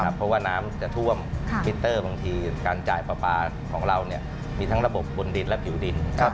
เพราะว่าน้ำจะท่วมมิเตอร์บางทีการจ่ายปลาปลาของเรามีทั้งระบบบนดินและผิวดิน